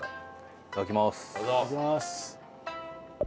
いただきます。